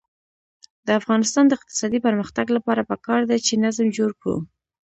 د افغانستان د اقتصادي پرمختګ لپاره پکار ده چې نظم جوړ کړو.